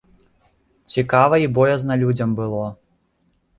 Цікава і боязна людзям было.